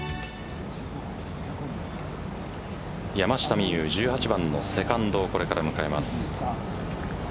山下美夢有、１８番のセカンドをこれから迎えます。